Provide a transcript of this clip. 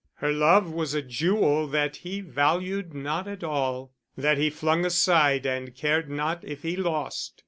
Her love was a jewel that he valued not at all, that he flung aside and cared not if he lost.